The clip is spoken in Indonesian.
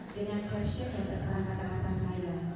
dengan caption yang terserah kata kata saya